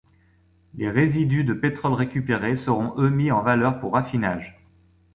Les résidus de pétrole récupérés seront eux mis en valeur pour raffinage.